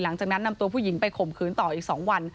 หลังจากนั้นนำตัวผู้หญิงไปข่มขืนต่ออีกสองวัน